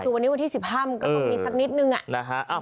ถูกว่าวันนี้วันที่๑๕ก็มีสักนิดหนึ่ง